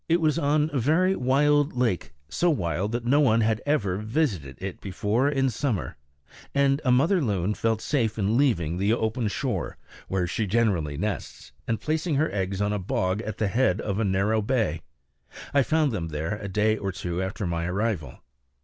It was on a very wild lake, so wild that no one had ever visited it before in summer, and a mother loon felt safe in leaving the open shore, where she generally nests, and placing her eggs on a bog at the head of a narrow bay. I found them there a day or two after my arrival.